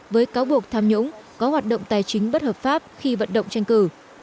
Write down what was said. với cáo buộc tham nhũng có hoạt động tài chính bất hợp pháp khi vận động tranh cử